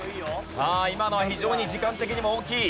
さあ今のは非常に時間的にも大きい。